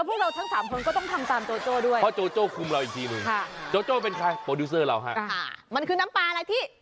คืออภิรักษ์ก็โดนโจโจคุมอีกทีหนึ่ง